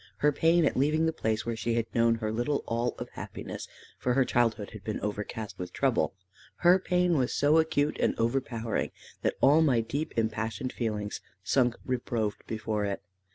Her pain at leaving the place where she had known her little all of happiness for her childhood had been overcast with trouble her pain was so acute and overpowering that all my deep impassioned feelings sunk reproved before it.